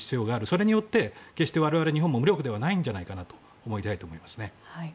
それによって、決して日本も無力ではないんじゃないかなと思いたいですね。